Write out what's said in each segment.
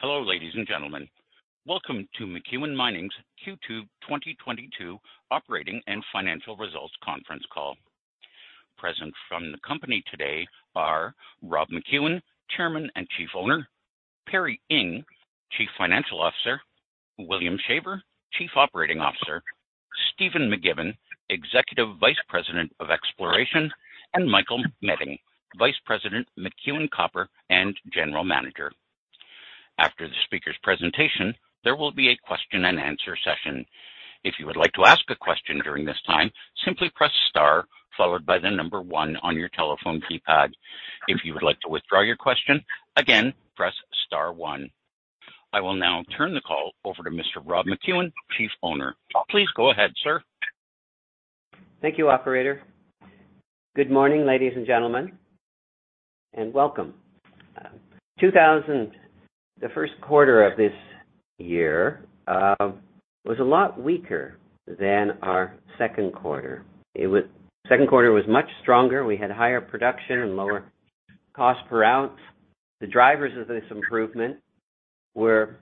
Hello, ladies and gentlemen. Welcome to McEwen Mining's Q2 2022 operating and financial results conference call. Present from the company today are Rob McEwen, Chairman and Chief Owner, Perry Ng, Chief Financial Officer, William Shaver, Chief Operating Officer, Stephen McGibbon, Executive Vice President of Exploration, and Michael Meding, Vice President and General Manager, McEwen Copper. After the speakers' presentation, there will be a question-and-answer session. If you would like to ask a question during this time, simply press star followed by the number one on your telephone keypad. If you would like to withdraw your question, again, press star one. I will now turn the call over to Mr. Rob McEwen, Chief Owner. Please go ahead, sir. Thank you, operator. Good morning, ladies and gentlemen, and welcome. The Q1 of this year was a lot weaker than our Q2. Q2 was much stronger. We had higher production and lower cost per ounce. The drivers of this improvement were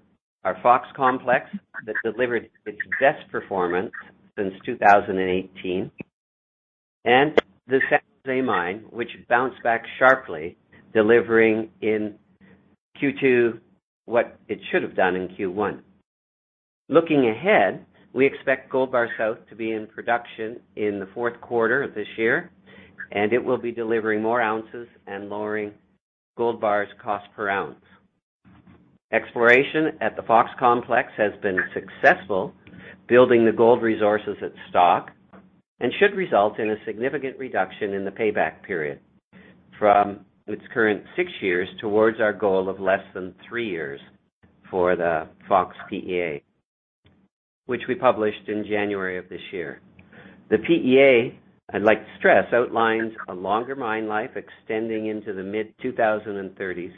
our Fox Complex that delivered its best performance since 2018, and the San José Mine, which bounced back sharply, delivering in Q2 what it should have done in Q1. Looking ahead, we expect Gold Bar South to be in production in the Q4 of this year, and it will be delivering more ounces and lowering Gold Bar's cost per ounce. Exploration at the Fox Complex has been successful, building the gold resources at Stock and should result in a significant reduction in the payback period from its current six years towards our goal of less than three years for the Fox PEA, which we published in January of this year. The PEA, I'd like to stress, outlines a longer mine life extending into the mid-2030s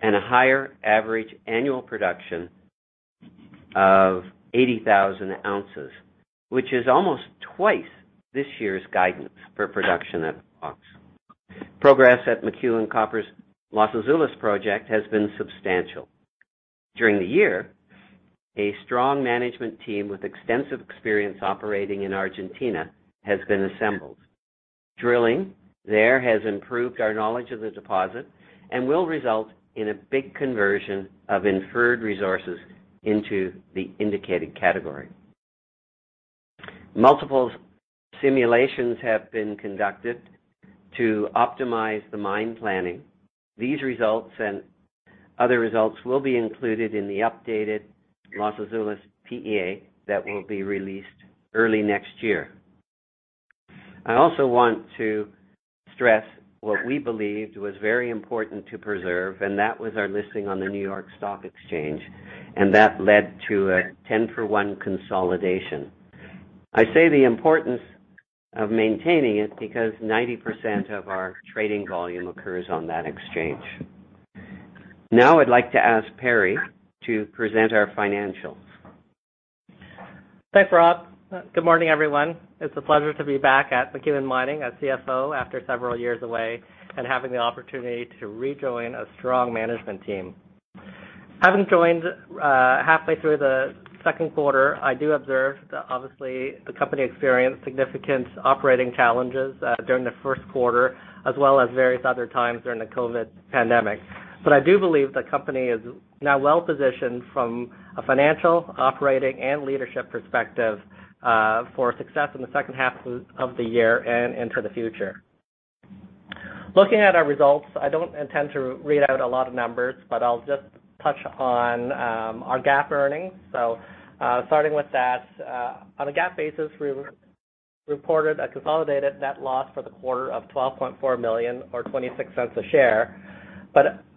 and a higher average annual production of 80,000 ounces, which is almost twice this year's guidance for production at Fox. Progress at McEwen Copper's Los Azules project has been substantial. During the year, a strong management team with extensive experience operating in Argentina has been assembled. Drilling there has improved our knowledge of the deposit and will result in a big conversion of inferred resources into the indicated category. Multiple simulations have been conducted to optimize the mine planning. These results and other results will be included in the updated Los Azules PEA that will be released early next year. I also want to stress what we believed was very important to preserve, and that was our listing on the New York Stock Exchange, and that led to a 10-for-1 consolidation. I say the importance of maintaining it because 90% of our trading volume occurs on that exchange. Now, I'd like to ask Perry to present our financials. Thanks, Rob. Good morning, everyone. It's a pleasure to be back at McEwen Mining as CFO after several years away and having the opportunity to rejoin a strong management team. Having joined halfway through the Q2, I do observe that obviously the company experienced significant operating challenges during the Q1 as well as various other times during the COVID pandemic. I do believe the company is now well-positioned from a financial, operating, and leadership perspective for success in the H2 of the year and into the future. Looking at our results, I don't intend to read out a lot of numbers, but I'll just touch on our GAAP earnings. Starting with that, on a GAAP basis, we reported a consolidated net loss for the quarter of $12.4 million or $0.26 per share.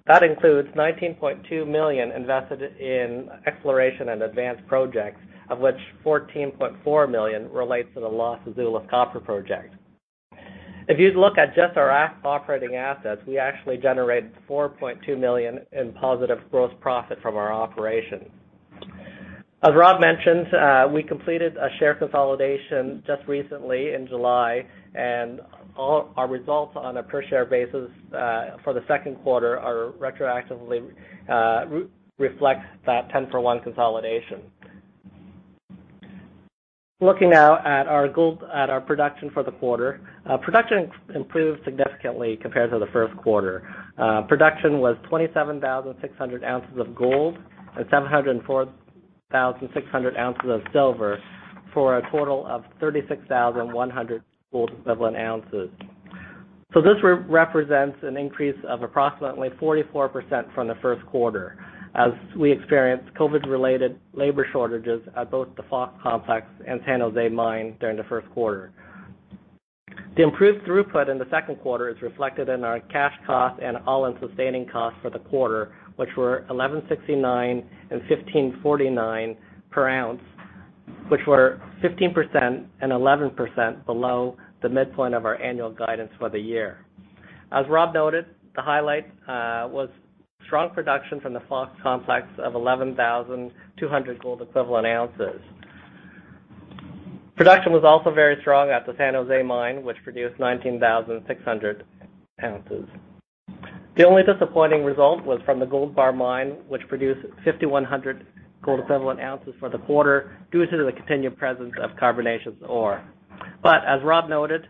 That includes $19.2 million invested in exploration and advanced projects, of which $14.4 million relates to the Los Azules copper project. If you look at just our operating assets, we actually generated $4.2 million in positive gross profit from our operations. As Rob mentioned, we completed a share consolidation just recently in July, and all our results on a per share basis for the Q2 are retroactively reflects that ten-for-one consolidation. Looking now at our production for the quarter. Production improved significantly compared to the Q1. Production was 27,600 ounces of gold and 704,600 ounces of silver for a total of 36,100 gold equivalent ounces. This represents an increase of approximately 44% from the Q1 as we experienced COVID-related labor shortages at both the Fox Complex and San José Mine during the Q1. The improved throughput in the Q2 is reflected in our cash cost and all-in sustaining cost for the quarter, which were $1,169 and $1,549 per ounce, which were 15% and 11% below the midpoint of our annual guidance for the year. As Rob noted, the highlight was strong production from the Fox Complex of 11,200 gold equivalent ounces. Production was also very strong at the San José Mine, which produced 19,600 ounces. The only disappointing result was from the Gold Bar Mine, which produced 5,100 gold equivalent ounces for the quarter due to the continued presence of carbonaceous ore. As Rob noted,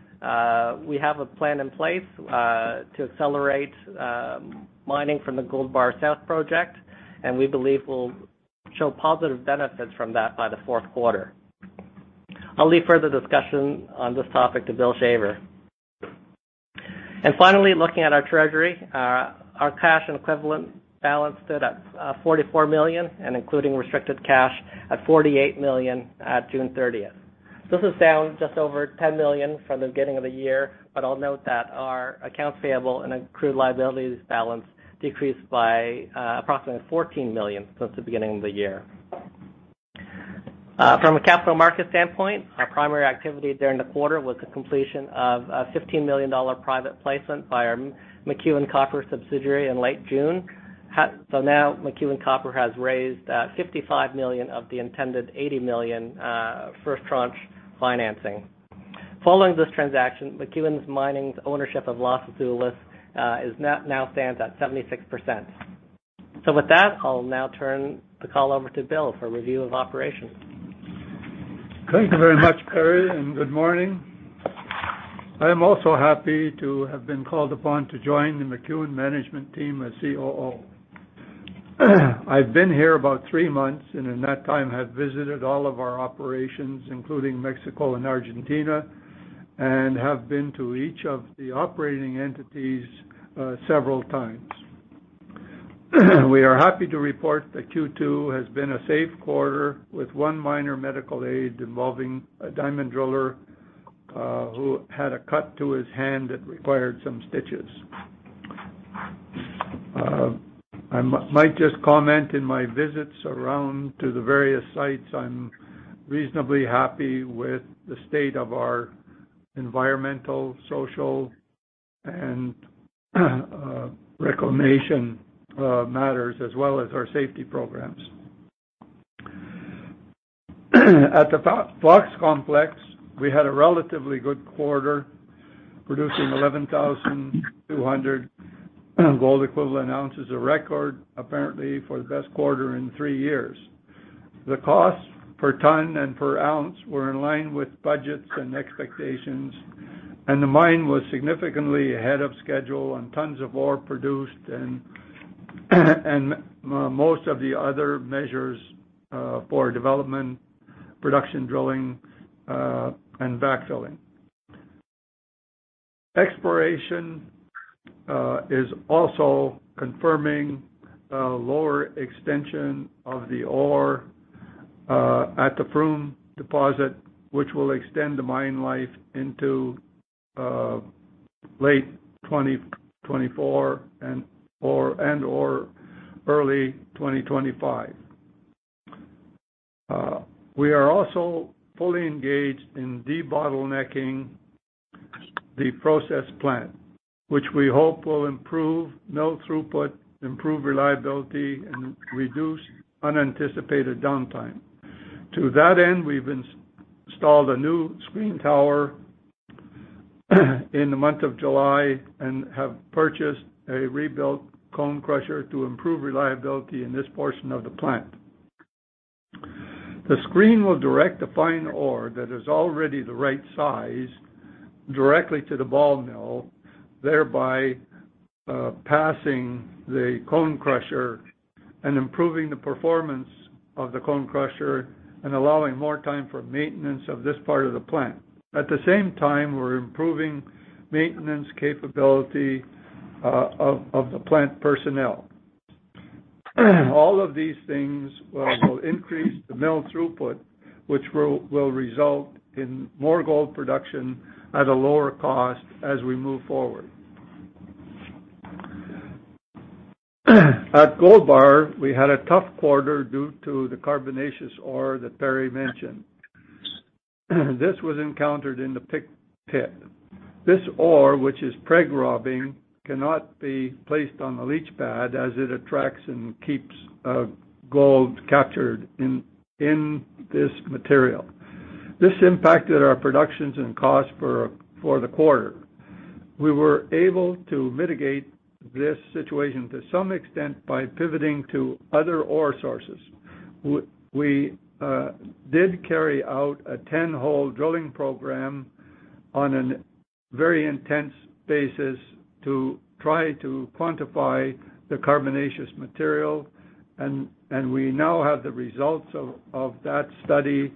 we have a plan in place to accelerate mining from the Gold Bar South project, and we believe we'll show positive benefits from that by the Q4. I'll leave further discussion on this topic to Bill Shaver. Finally, looking at our treasury, our cash and equivalent balance stood at $44 million and including restricted cash at $48 million at June 30. This is down just over $10 million from the beginning of the year, but I'll note that our accounts payable and accrued liabilities balance decreased by approximately $14 million since the beginning of the year. From a capital market standpoint, our primary activity during the quarter was the completion of a $15 million private placement by our McEwen Copper subsidiary in late June. Now McEwen Copper has raised $55 million of the intended $80 million first tranche financing. Following this transaction, McEwen Mining's ownership of Las Coloradas now stands at 76%. With that, I'll now turn the call over to Bill for review of operations. Thank you very much, Perry, and good morning. I'm also happy to have been called upon to join the McEwen management team as COO. I've been here about three months, and in that time have visited all of our operations, including Mexico and Argentina, and have been to each of the operating entities several times. We are happy to report that Q2 has been a safe quarter with one minor medical aid involving a diamond driller who had a cut to his hand that required some stitches. I might just comment in my visits around to the various sites, I'm reasonably happy with the state of our environmental, social, and reclamation matters as well as our safety prog. At the Fox Complex, we had a relatively good quarter, producing 11,200 gold equivalent ounces on record, apparently the best quarter in three years. The costs per ton and per ounce were in line with budgets and expectations, and the mine was significantly ahead of schedule on tons of ore produced and most of the other measures for development, production drilling, and backfilling. Exploration is also confirming a lower extension of the ore at the Froome deposit, which will extend the mine life into late 2024 or early 2025. We are also fully engaged in debottlenecking the process plant, which we hope will improve mill throughput, improve reliability, and reduce unanticipated downtime. To that end, we've installed a new screen tower in the month of July and have purchased a rebuilt cone crusher to improve reliability in this portion of the plant. The screen will direct the fine ore that is already the right size directly to the ball mill, thereby passing the cone crusher and improving the performance of the cone crusher and allowing more time for maintenance of this part of the plant. At the same time, we're improving maintenance capability of the plant personnel. All of these things will increase the mill throughput, which will result in more gold production at a lower cost as we move forward. At Gold Bar, we had a tough quarter due to the carbonaceous ore that Perry mentioned. This was encountered in the pit. This ore, which is preg-robbing, cannot be placed on the leach pad as it attracts and keeps gold captured in this material. This impacted our production and costs for the quarter. We were able to mitigate this situation to some extent by pivoting to other ore sources. We did carry out a 10-hole drilling program on a very intense basis to try to quantify the carbonaceous material, and we now have the results of that study,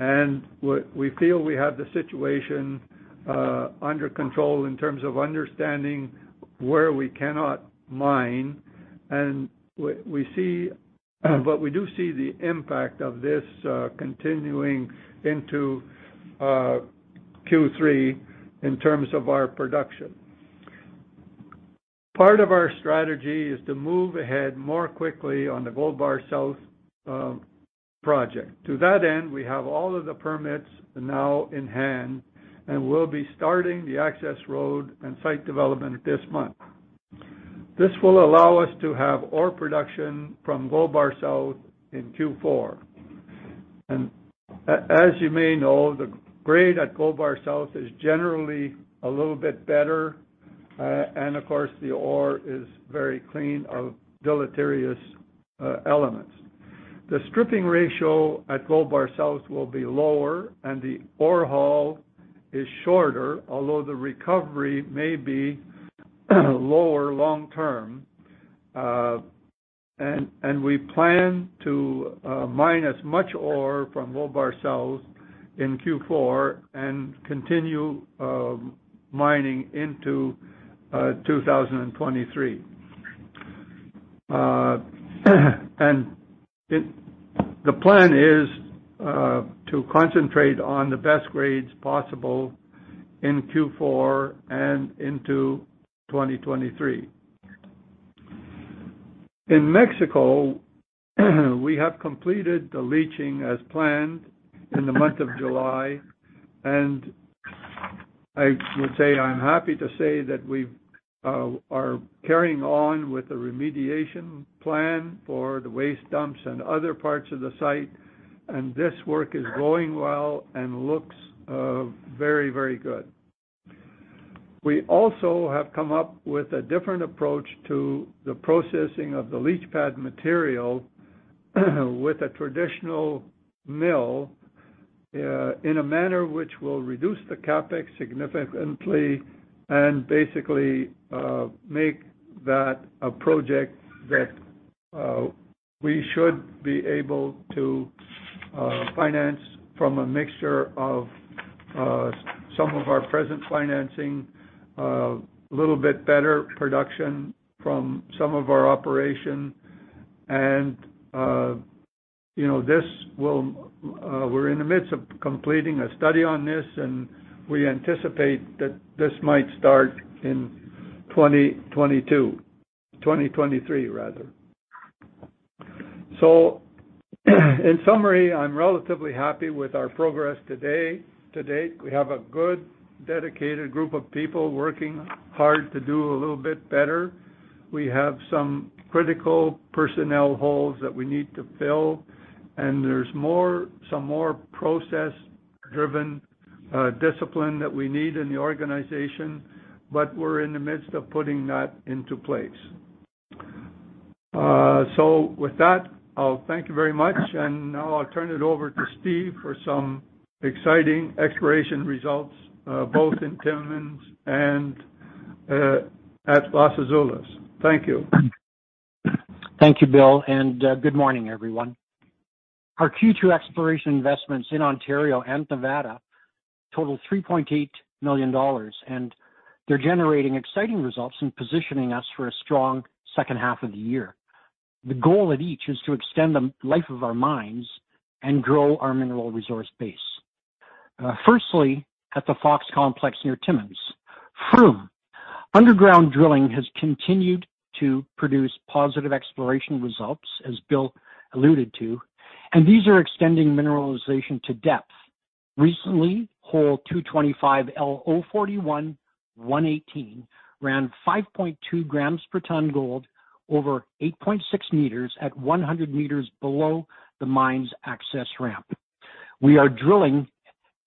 and we feel we have the situation under control in terms of understanding where we cannot mine. We see the impact of this continuing into Q3 in terms of our production. Part of our strategy is to move ahead more quickly on the Gold Bar South project. To that end, we have all of the permits now in hand and we'll be starting the access road and site development this month. This will allow us to have ore production from Gold Bar South in Q4. As you may know, the grade at Gold Bar South is generally a little bit better. Of course, the ore is very clean of deleterious elements. The stripping ratio at Gold Bar South will be lower, and the ore haul is shorter, although the recovery may be lower long term. We plan to mine as much ore from Gold Bar South in Q4 and continue mining into 2023. The plan is to concentrate on the best grades possible in Q4 and into 2023. In Mexico, we have completed the leaching as planned in the month of July. I would say, I'm happy to say that we are carrying on with the remediation plan for the waste dumps and other parts of the site, and this work is going well and looks very, very good. We also have come up with a different approach to the processing of the leach pad material with a traditional mill in a manner which will reduce the CapEx significantly and basically make that a project that we should be able to finance from a mixture of some of our present financing, a little bit better production from some of our operation. You know, this will, we're in the midst of completing a study on this, and we anticipate that this might start in 2022. 2023, rather. In summary, I'm relatively happy with our progress today. To date, we have a good, dedicated group of people working hard to do a little bit better. We have some critical personnel holes that we need to fill, and there's more, some more process-driven discipline that we need in the organization, but we're in the midst of putting that into place. With that, I'll thank you very much. Now I'll turn it over to Steve for some exciting exploration results, both in Timmins and at Los Azules. Thank you. Thank you, Bill, and good morning, everyone. Our Q2 exploration investments in Ontario and Nevada total $3.8 million, and they're generating exciting results and positioning us for a strong H2 of the year. The goal at each is to extend the life of our mines and grow our mineral resource base. Firstly, at the Fox Complex near Timmins, Froome underground drilling has continued to produce positive exploration results, as Bill alluded to, and these are extending mineralization to depth. Recently, hole 225L041-118 ran 5.2 g per ton gold over 8.6 m at 100 m below the mine's access ramp. We are drilling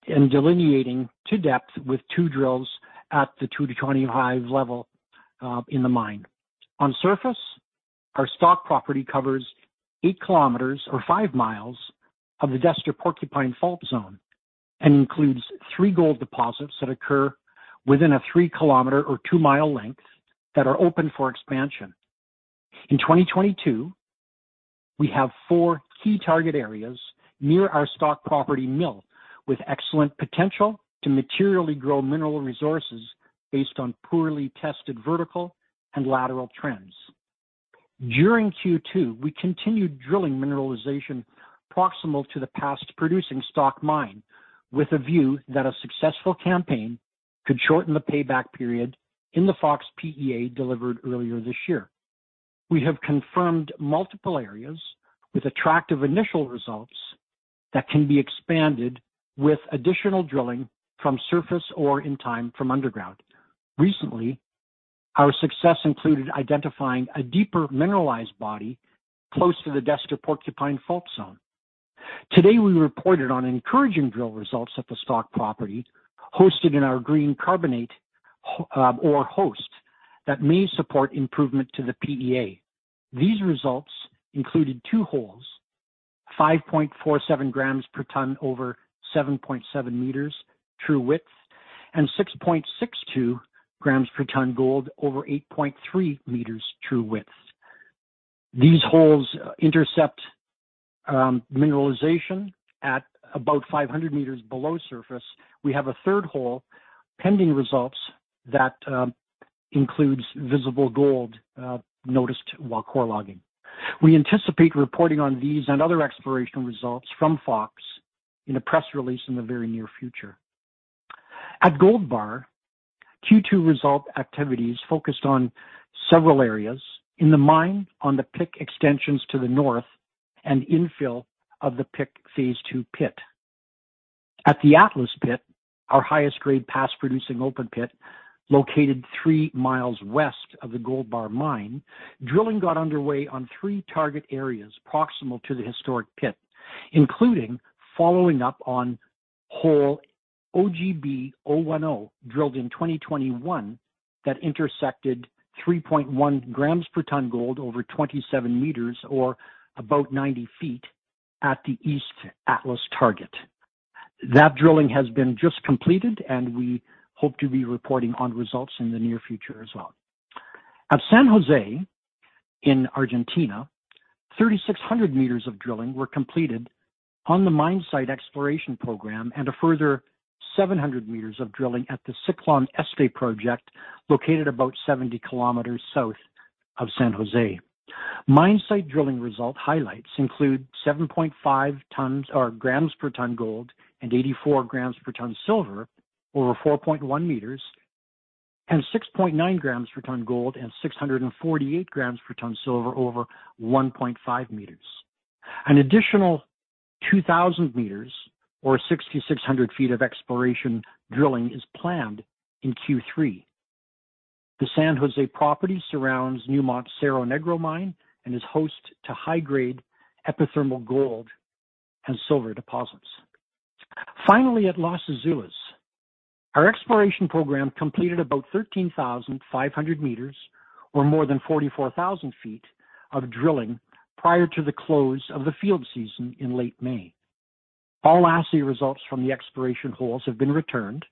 and delineating to depth with two drills at the 225 level in the mine. On surface, our Stock Property covers 8 km or 5 mi of the Destor-Porcupine Fault Zone and includes three gold deposits that occur within a 3 km or 2 mi length that are open for expansion. In 2022, we have four key target areas near our Stock Property mill with excellent potential to materially grow mineral resources based on poorly tested vertical and lateral trends. During Q2, we continued drilling mineralization proximal to the past producing Stock Mine with a view that a successful campaign could shorten the payback period in the Fox PEA delivered earlier this year. We have confirmed multiple areas with attractive initial results that can be expanded with additional drilling from surface or, in time, from underground. Recently, our success included identifying a deeper mineralized body close to the Destor-Porcupine Fault Zone. Today, we reported on encouraging drill results at the Stock Property hosted in our green carbonate ore host that may support improvement to the PEA. These results included two holes, 5.47 g per ton over 7.7 m true width, and 6.62 g per ton gold over 8.3 m true width. These holes intercept mineralization at about 500 m below surface. We have a third hole, pending results, that includes visible gold noticed while core logging. We anticipate reporting on these and other exploration results from Fox in a press release in the very near future. At Gold Bar, Q2 result activities focused on several areas. In the mine, on the pit extensions to the north and infill of the pit, phase II pit. At the Atlas pit, our highest grade past producing open pit, located 3 mi west of the Gold Bar mine, drilling got underway on 3 target areas proximal to the historic pit, including following up on hole OGB-010, drilled in 2021 that intersected 3.1 g per ton gold over 27 m or about 90 feet at the East Atlas target. That drilling has been just completed and we hope to be reporting on results in the near future as well. At San José in Argentina, 3,600 m of drilling were completed on the mine site exploration program and a further 700 m of drilling at the Ciclón Este project, located about 70 km south of San José. Mine site drilling result highlights include 7.5 g per ton gold and 84 g per ton silver over 4.1 m, and 6.9 g per ton gold and 648 g per ton silver over 1.5 m. An additional 2,000 m or 6,600 ft of exploration drilling is planned in Q3. The San José property surrounds Newmont's Cerro Negro mine and is host to high-grade epithermal gold and silver deposits. Finally, at Los Azules, our exploration program completed about 13,500 m or more than 44,000 ft of drilling prior to the close of the field season in late May. All assay results from the exploration holes have been returned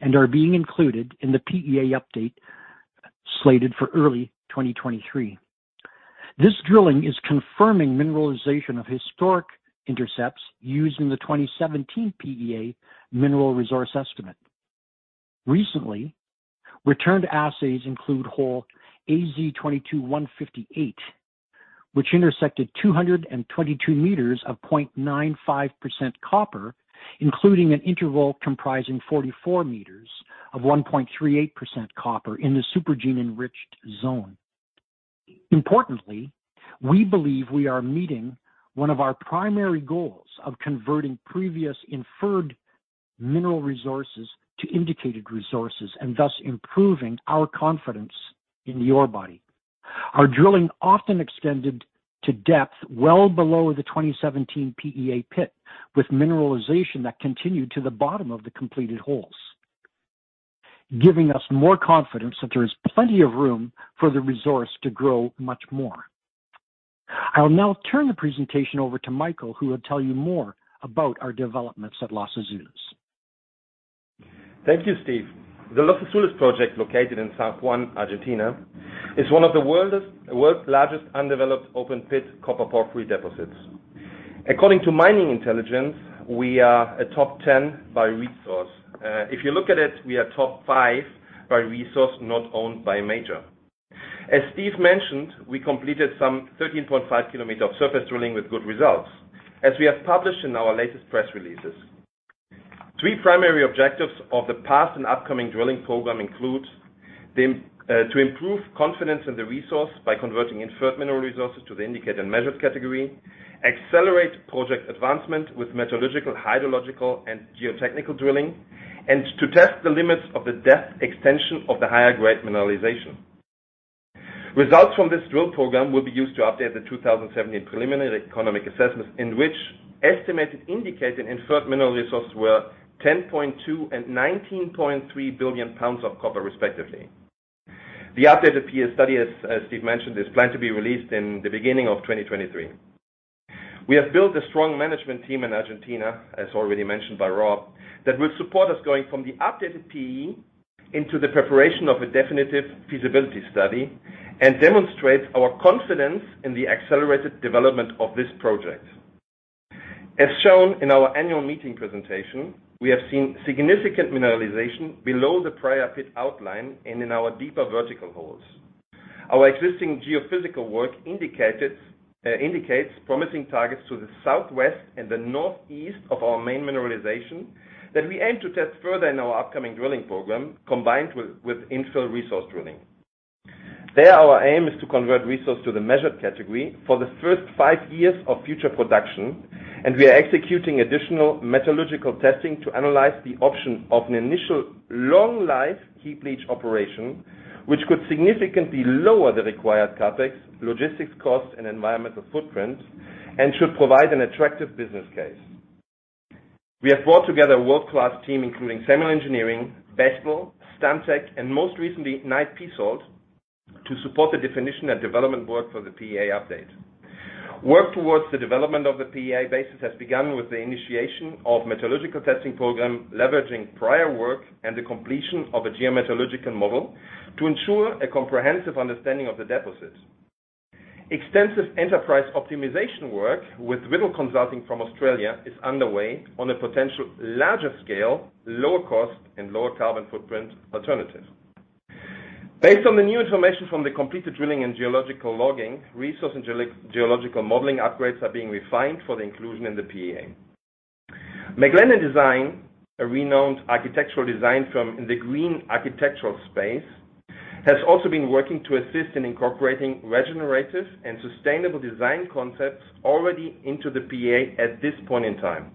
and are being included in the PEA update slated for early 2023. This drilling is confirming mineralization of historic intercepts used in the 2017 PEA mineral resource estimate. Recently, returned assays include hole AZ-22-158, which intersected 222 m of 0.95% copper, including an interval comprising 44 m of 1.38% copper in the supergene enriched zone. Importantly, we believe we are meeting one of our primary goals of converting previous inferred mineral resources to indicated resources and thus improving our confidence in the ore body. Our drilling often extended to depth well below the 2017 PEA pit with mineralization that continued to the bottom of the completed holes, giving us more confidence that there is plenty of room for the resource to grow much more. I'll now turn the presentation over to Michael, who will tell you more about our developments at Los Azules. Thank you, Steve. The Los Azules project located in San Juan, Argentina, is one of the world's largest undeveloped open pit copper porphyry deposits. According to Mining Intelligence, we are a top ten by resource. If you look at it, we are top five by resource not owned by a major. As Steve mentioned, we completed some 13.5 km of surface drilling with good results, as we have published in our latest press releases. Three primary objectives of the past and upcoming drilling program include to improve confidence in the resource by converting inferred mineral resources to the indicated and measured category, accelerate project advancement with metallurgical, hydrological, and geotechnical drilling, and to test the limits of the depth extension of the higher grade mineralization. Results from this drill program will be used to update the 2017 preliminary economic assessments in which estimated indicated inferred mineral resources were 10.2 and 19.3 billion lbs of copper, respectively. The updated PEA study, as Steve mentioned, is planned to be released in the beginning of 2023. We have built a strong management team in Argentina, as already mentioned by Rob, that will support us going from the updated PEA into the preparation of a definitive feasibility study and demonstrates our confidence in the accelerated development of this project. As shown in our annual meeting presentation, we have seen significant mineralization below the prior pit outline and in our deeper vertical holes. Our existing geophysical work indicates promising targets to the southwest and the northeast of our main mineralization that we aim to test further in our upcoming drilling program combined with infill resource drilling. Our aim is to convert resource to the measured category for the first five years of future production, and we are executing additional metallurgical testing to analyze the option of an initial long life heap leach operation, which could significantly lower the required CapEx, logistics costs, and environmental footprint, and should provide an attractive business case. We have brought together a world-class team, including Samuel Engineering, Bechtel, Stantec, and most recently, Knight Piésold, to support the definition and development work for the PEA update. Work towards the development of the PEA basis has begun with the initiation of metallurgical testing program leveraging prior work and the completion of a geometallurgical model to ensure a comprehensive understanding of the deposit. Extensive enterprise optimization work with Whittle Consulting from Australia is underway on a potential larger scale, lower cost, and lower carbon footprint alternative. Based on the new information from the completed drilling and geological logging, resource and geological modeling upgrades are being refined for the inclusion in the PEA. McLennan Design, a renowned architectural design firm in the green architectural space has also been working to assist in incorporating regenerative and sustainable design concepts already into the PEA at this point in time.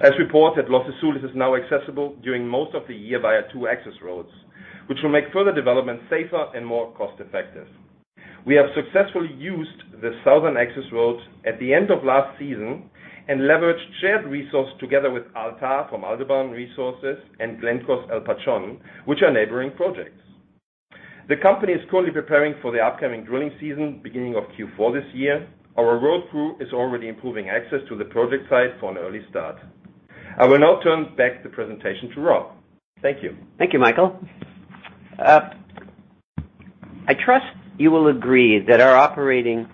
As reported, Los Azules is now accessible during most of the year via two access roads, which will make further development safer and more cost-effective. We have successfully used the southern access roads at the end of last season and leveraged shared resources together with Alta from Aldebaran Resources and Glencore's El Pachón, which are neighboring projects. The company is currently preparing for the upcoming drilling season beginning of Q4 this year. Our road crew is already improving access to the project site for an early start. I will now turn back the presentation to Rob. Thank you. Thank you, Michael. I trust you will agree that our operating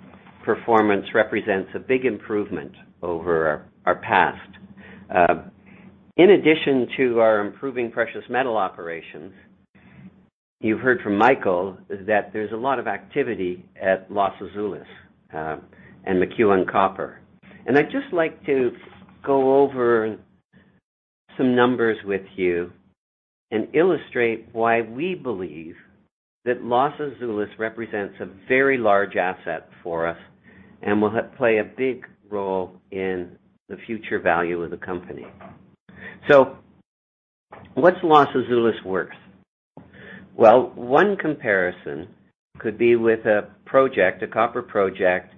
performance represents a big improvement over our past. In addition to our improving precious metal operations, you've heard from Michael that there's a lot of activity at Los Azules and McEwen Copper. I'd just like to go over some numbers with you and illustrate why we believe that Los Azules represents a very large asset for us and will play a big role in the future value of the company. What's Los Azules worth? Well, one comparison could be with a project, a copper project,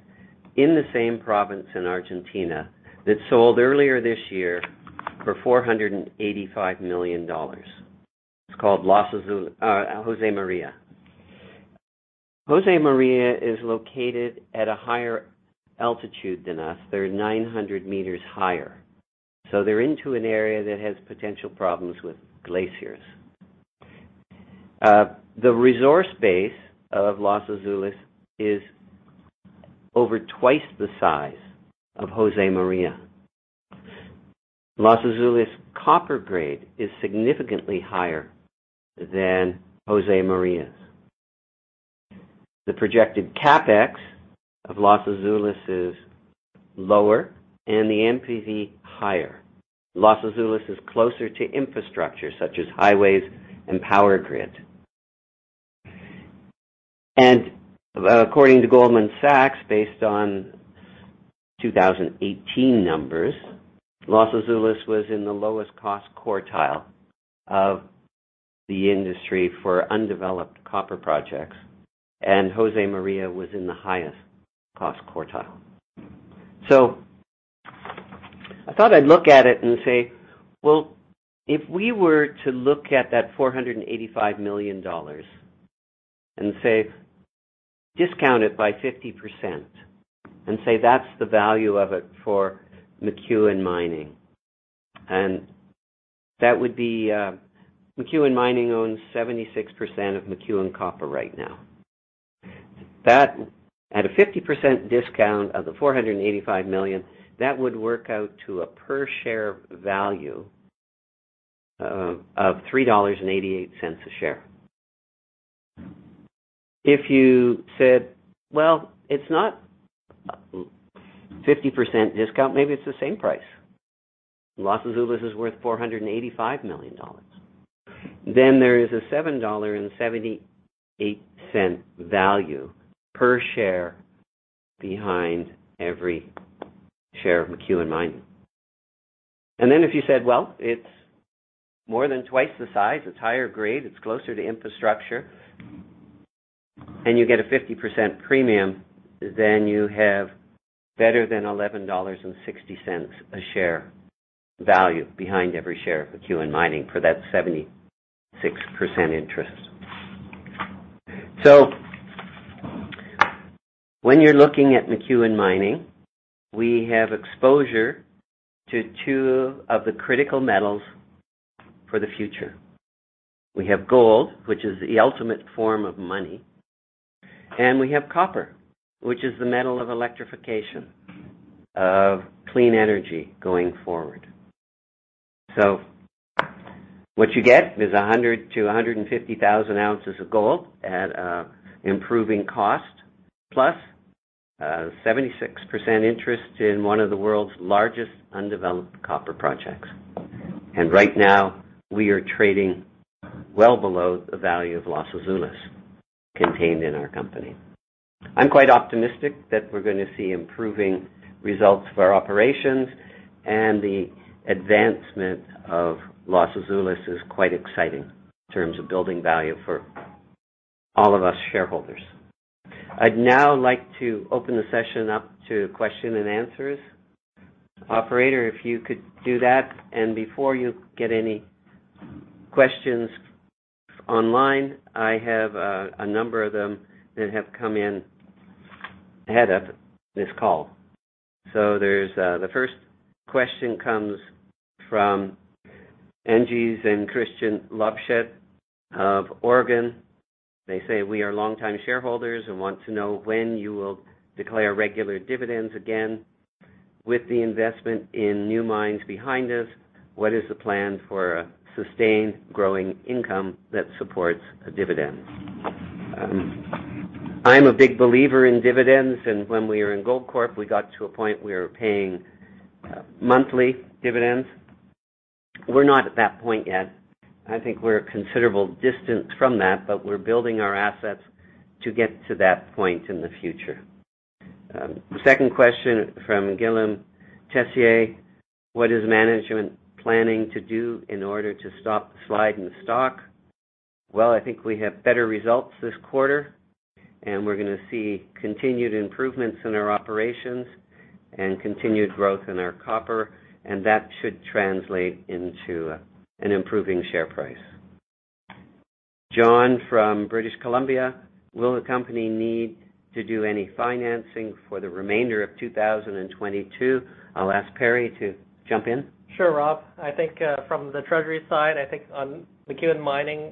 in the same province in Argentina that sold earlier this year for $485 million. It's called Josemaría. Josemaría is located at a higher altitude than us. They're 900 m higher. They're into an area that has potential problems with glaciers. The resource base of Los Azules is over twice the size of Josemaria. Los Azules' copper grade is significantly higher than Josemaria's. The projected CapEx of Los Azules is lower and the NPV higher. Los Azules is closer to infrastructure such as highways and power grid. According to Goldman Sachs, based on 2018 numbers, Los Azules was in the lowest cost quartile of the industry for undeveloped copper projects, and Josemaria was in the highest cost quartile. I thought I'd look at it and say, well, if we were to look at that $485 million and say, discount it by 50% and say that's the value of it for McEwen Mining, and that would be, McEwen Mining owns 76% of McEwen Copper right now. That at a 50% discount of the $485 million, that would work out to a per share value of $3.88 a share. If you said, well, it's not 50% discount, maybe it's the same price. Los Azules is worth $485 million. There is a $7.78 value per share behind every share of McEwen Mining. If you said, well, it's more than twice the size, it's higher grade, it's closer to infrastructure, and you get a 50% premium, then you have better than $11.60 a share value behind every share of McEwen Mining for that 76% interest. When you're looking at McEwen Mining, we have exposure to two of the critical metals for the future. We have gold, which is the ultimate form of money, and we have copper, which is the metal of electrification, of clean energy going forward. What you get is 100,000-150,000 ounces of gold at improving cost, plus a 76% interest in one of the world's largest undeveloped copper projects. Right now, we are trading well below the value of Los Azules contained in our company. I'm quite optimistic that we're gonna see improving results for our operations, and the advancement of Los Azules is quite exciting in terms of building value for all of us shareholders. I'd now like to open the session up to question and answers. Operator, if you could do that, and before you get any questions online, I have a number of them that have come in ahead of this call. There's the first question comes from Angus and Christian Lobsheit of Oregon. They say, "We are longtime shareholders and want to know when you will declare regular dividends again. With the investment in new mines behind us, what is the plan for a sustained growing income that supports a dividend?" I'm a big believer in dividends, and when we were in Goldcorp, we got to a point we were paying monthly dividends. We're not at that point yet. I think we're a considerable distance from that, but we're building our assets to get to that point in the future. Second question from Guillaume Tessier, "What is management planning to do in order to stop the slide in the stock?" Well, I think we have better results this quarter, and we're gonna see continued improvements in our operations and continued growth in our copper, and that should translate into an improving share price. John from British Columbia, "Will the company need to do any financing for the remainder of 2022?" I'll ask Perry to jump in. Sure, Rob. I think, from the treasury side, I think on McEwen Mining,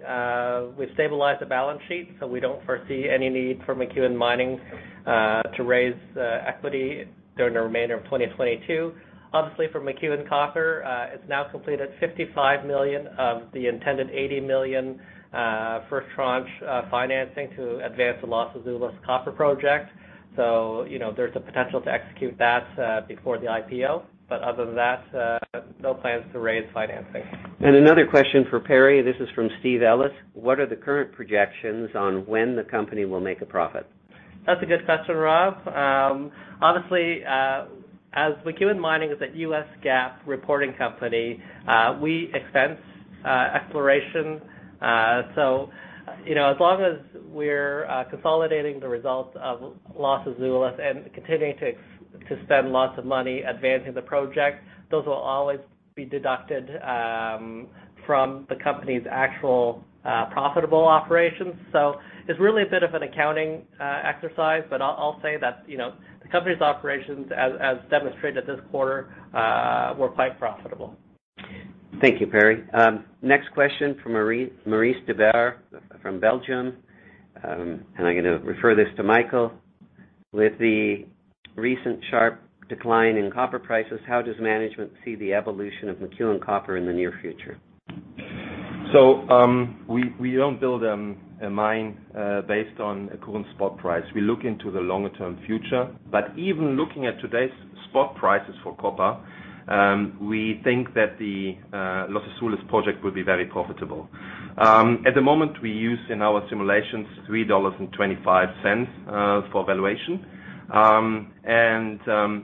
we've stabilized the balance sheet, so we don't foresee any need for McEwen Mining to raise equity during the remainder of 2022. Obviously, for McEwen Copper, it's now completed $55 million of the intended $80 million first tranche financing to advance the Los Azules copper project. You know, there's a potential to execute that before the IPO. Other than that, no plans to raise financing. Another question for Perry. This is from Steve Ellis, "What are the current projections on when the company will make a profit? That's a good question, Rob. Obviously, as McEwen Mining is a U.S. GAAP reporting company, we expense exploration. You know, as long as we're consolidating the results of Los Azules and continuing to spend lots of money advancing the project, those will always be deducted from the company's actual profitable operations. It's really a bit of an accounting exercise, but I'll say that, you know, the company's operations, as demonstrated this quarter, were quite profitable. Thank you, Perry. Next question from Maurice de Bar from Belgium. I'm gonna refer this to Michael. With the recent sharp decline in copper prices, how does management see the evolution of McEwen Copper in the near future? We don't build a mine based on a current spot price. We look into the longer term future. Even looking at today's spot prices for copper, we think that the Los Azules project will be very profitable. At the moment, we use in our simulations $3.25 for valuation.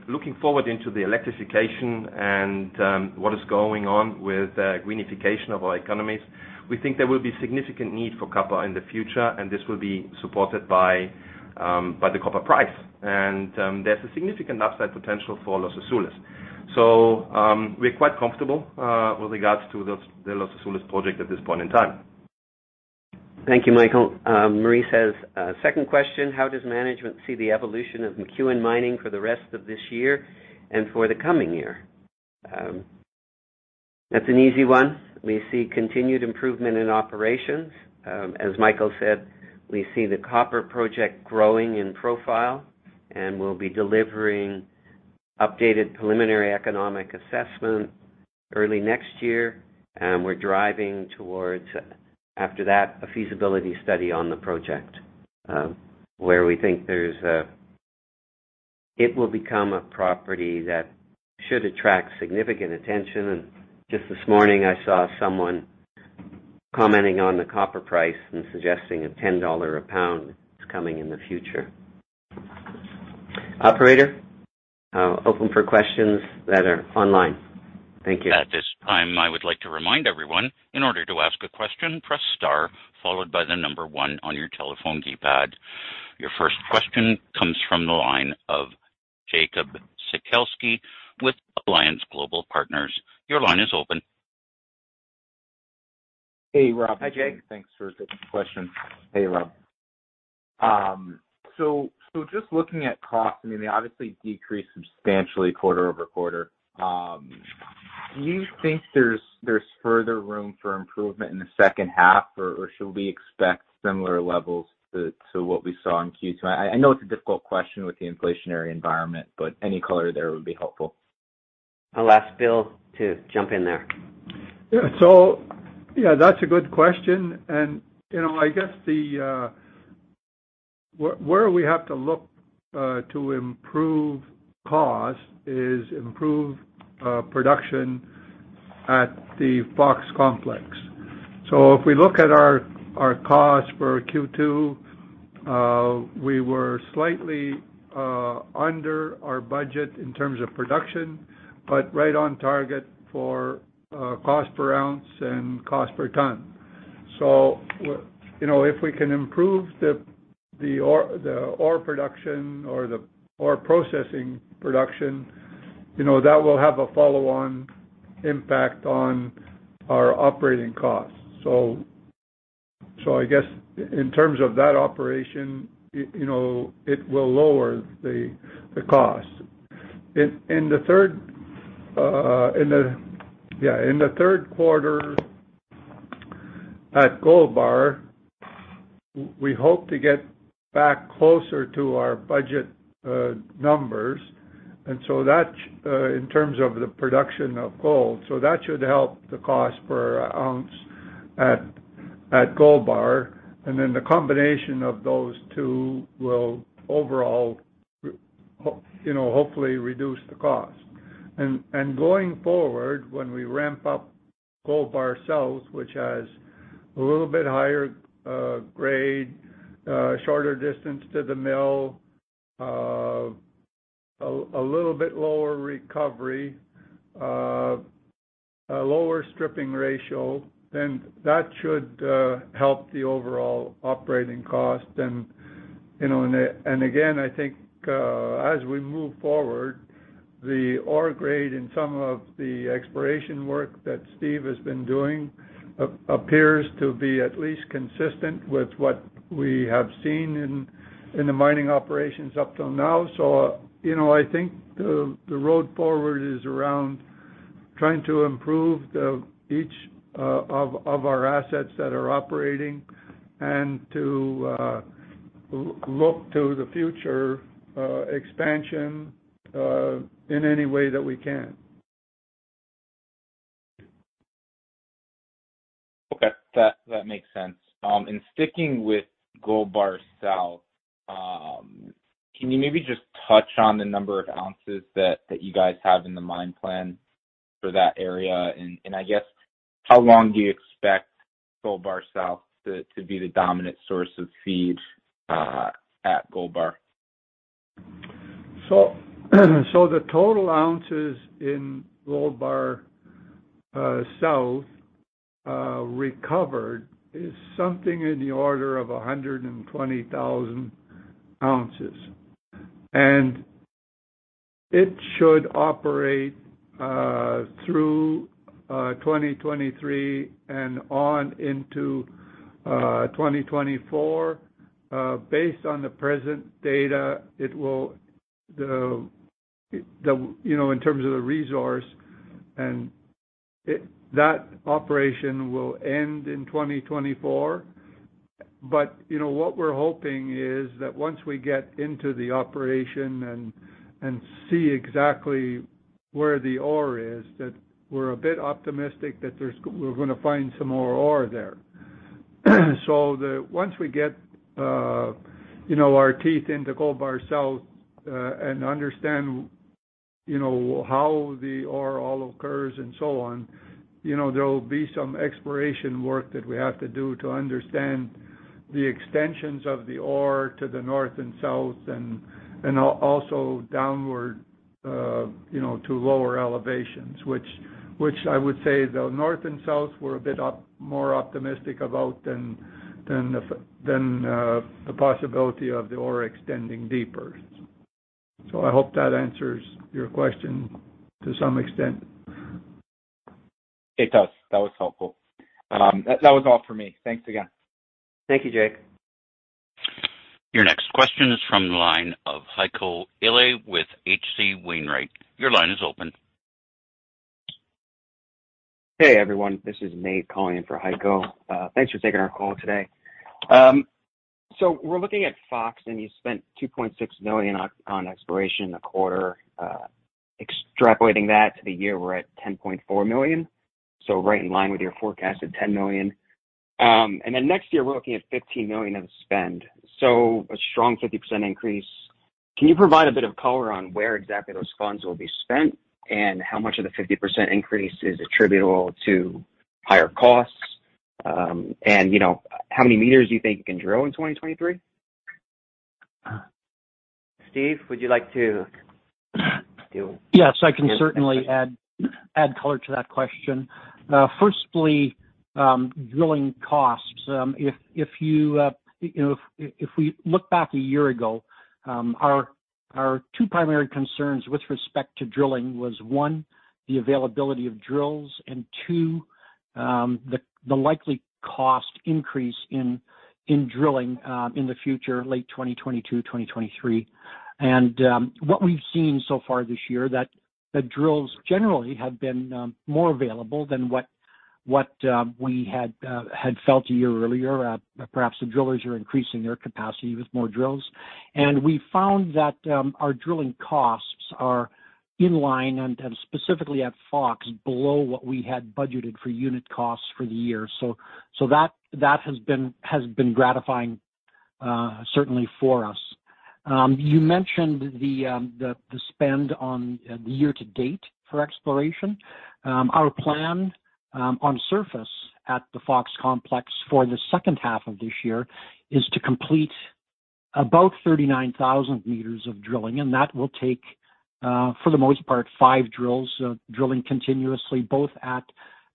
Looking forward into the electrification and what is going on with the greenification of our economies, we think there will be significant need for copper in the future, and this will be supported by the copper price. There's a significant upside potential for Los Azules. We're quite comfortable with regards to the Los Azules project at this point in time. Thank you, Michael. Maurice has a second question, how does management see the evolution of McEwen Mining for the rest of this year and for the coming year? That's an easy one. We see continued improvement in operations. As Michael said, we see the copper project growing in profile, and we'll be delivering updated preliminary economic assessment early next year. We're driving towards, after that, a feasibility study on the project, where we think it will become a property that should attract significant attention. Just this morning, I saw someone commenting on the copper price and suggesting $10 a lbs is coming in the future. Operator, open for questions that are online. Thank you. At this time, I would like to remind everyone in order to ask a question, press star followed by the number one on your telephone keypad. Your first question comes from the line of Jake Sekelsky with Alliance Global Partners. Your line is open. Hey, Rob. Hi, Jake. Thanks for taking the question. Hey, Rob. So just looking at costs, I mean, they obviously decreased substantially quarter-over-quarter. Do you think there's further room for improvement in the H2 or should we expect similar levels to what we saw in Q2? I know it's a difficult question with the inflationary environment, but any color there would be helpful. I'll ask Bill to jump in there. Yeah, that's a good question. You know, I guess where we have to look to improve cost is improve production at the Fox Complex. If we look at our costs for Q2, we were slightly under our budget in terms of production, but right on target for cost per ounce and cost per ton. You know, if we can improve the ore production or the ore processing production, that will have a follow-on impact on our operating costs. I guess in terms of that operation, you know, it will lower the cost. In the Q3 at Gold Bar, we hope to get back closer to our budget numbers. That's in terms of the production of gold. That should help the cost per ounce at Gold Bar. Then the combination of those two will overall, you know, hopefully reduce the cost. Going forward, when we ramp up Gold Bar South, which has a little bit higher grade, shorter distance to the mill, a little bit lower recovery, a lower stripping ratio, then that should help the overall operating cost. You know, and again, I think, as we move forward, the ore grade in some of the exploration work that Steve has been doing appears to be at least consistent with what we have seen in the mining operations up till now. You know, I think the road forward is around trying to improve each of our assets that are operating and to look to the future expansion in any way that we can. Okay. That makes sense. Sticking with Gold Bar South, can you maybe just touch on the number of ounces that you guys have in the mine plan for that area? I guess how long do you expect Gold Bar South to be the dominant source of feed at Gold Bar? The total ounces in Gold Bar South recovered is something in the order of 120,000 ounces. It should operate through 2023 and on into 2024. Based on the present data, it will. You know, in terms of the resource, that operation will end in 2024. You know, what we're hoping is that once we get into the operation and see exactly where the ore is, that we're a bit optimistic that we're gonna find some more ore there. Once we get, you know, our teeth into Gold Bar South and understand, you know, how the ore all occurs and so on, you know, there will be some exploration work that we have to do to understand the extensions of the ore to the north and south and also downward, you know, to lower elevations, which I would say the north and south we're a bit more optimistic about than the possibility of the ore extending deeper. I hope that answers your question to some extent. It does. That was helpful. That was all for me. Thanks again. Thank you, Jake. Your next question is from the line of Heiko Ihle with H.C. Wainwright. Your line is open. Hey, everyone. This is Nate calling in for Heiko. Thanks for taking our call today. We're looking at Fox, and you spent $2.6 million on exploration a quarter. Extrapolating that to the year, we're at $10.4 million, so right in line with your forecast at $10 million. Next year, we're looking at $15 million of spend, so a strong 50% increase. Can you provide a bit of color on where exactly those funds will be spent and how much of the 50% increase is attributable to higher costs? You know, how many m do you think you can drill in 2023? Steve, would you like to do? Yes, I can certainly add color to that question. Firstly, drilling costs. If you know, if we look back a year ago, our two primary concerns with respect to drilling was, one, the availability of drills, and two, the likely cost increase in drilling in the future, late 2022, 2023. What we've seen so far this year that the drills generally have been more available than what we had felt a year earlier. Perhaps the drillers are increasing their capacity with more drills. We found that our drilling costs are in line and specifically at Fox, below what we had budgeted for unit costs for the year. That has been gratifying certainly for us. You mentioned the spend on the year to date for exploration. Our plan on surface at the Fox Complex for the H2 of this year is to complete about 39,000 m of drilling, and that will take, for the most part, five drills drilling continuously, both at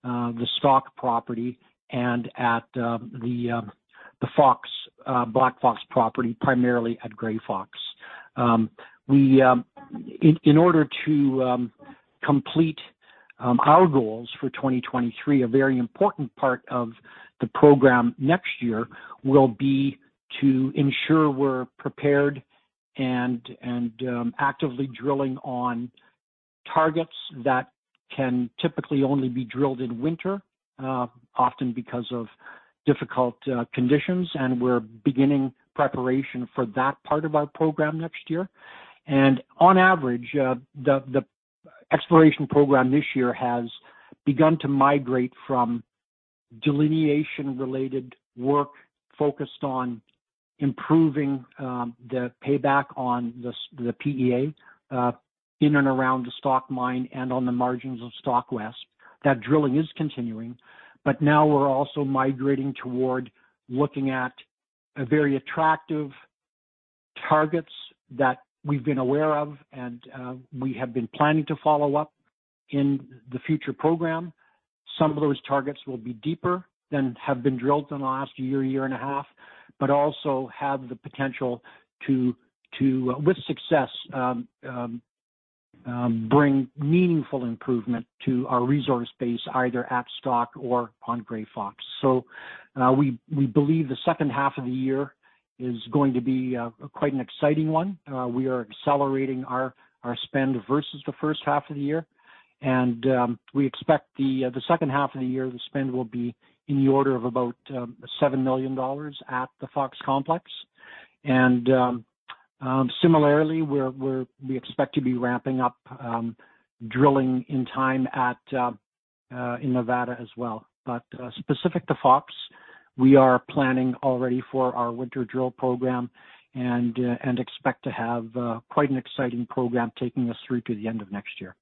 the Stock Property and at the Black Fox property, primarily at Grey Fox. In order to complete our goals for 2023, a very important part of the program next year will be to ensure we're prepared and actively drilling on targets that can typically only be drilled in winter, often because of difficult conditions. We're beginning preparation for that part of our program next year. On average, the exploration program this year has begun to migrate from delineation-related work focused on improving the payback on the PEA in and around the Stock Mine and on the margins of Stock West. That drilling is continuing, but now we're also migrating toward looking at a very attractive targets that we've been aware of and we have been planning to follow up in the future program. Some of those targets will be deeper than have been drilled in the last year and a half, but also have the potential to, with success, bring meaningful improvement to our resource base, either at Stock or on Grey Fox. We believe the H2 of the year is going to be quite an exciting one. We are accelerating our spend versus the H1 of the year. We expect the H2 of the year, the spend will be in the order of about $7 million at the Fox Complex. Similarly, we expect to be ramping up drilling in time in Nevada as well. Specific to Fox, we are planning already for our winter drill program and expect to have quite an exciting program taking us through to the end of next year.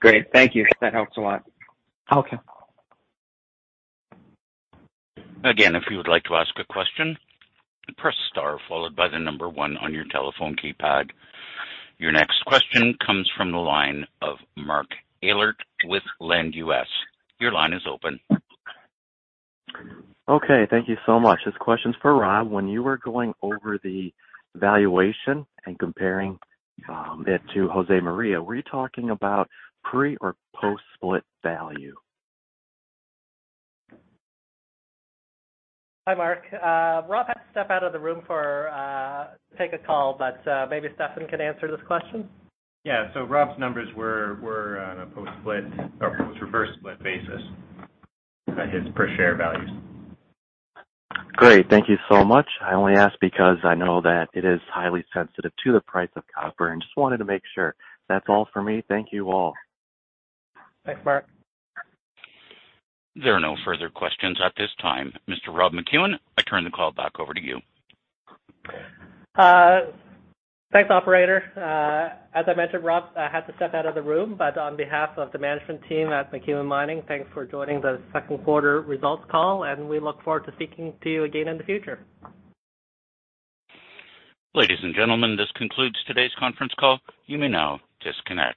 Great. Thank you. That helps a lot. Okay. Again, if you would like to ask a question, press star followed by the number one on your telephone keypad. Your next question comes from the line of Mark Ahlert with [Land US]. Your line is open. Okay. Thank you so much. This question is for Rob. When you were going over the valuation and comparing it to Josemaria, were you talking about pre or post-split value? Hi, Mark. Rob had to step out of the room to take a call, but maybe Stefan can answer this question. Yeah. Rob's numbers were on a post-split or post-reverse split basis, his per share values. Great. Thank you so much. I only ask because I know that it is highly sensitive to the price of copper, and just wanted to make sure. That's all for me. Thank you all. Thanks, Mark. There are no further questions at this time. Mr. Rob McEwen, I turn the call back over to you. Thanks, operator. As I mentioned, Rob had to step out of the room. On behalf of the management team at McEwen Mining, thanks for joining the Q2 results call, and we look forward to speaking to you again in the future. Ladies and gentlemen, this concludes today's conference call. You may now disconnect.